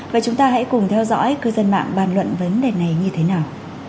và chúng ta hãy cùng theo dõi cư dân mạng bàn luận vấn đề này như thế nào